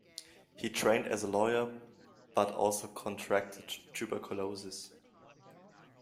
He trained as a lawyer, but also contracted tuberculosis.